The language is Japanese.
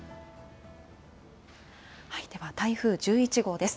では台風１１号です。